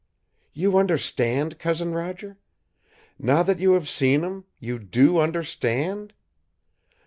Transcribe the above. "You understand, Cousin Roger? Now that you have seen him, you do understand?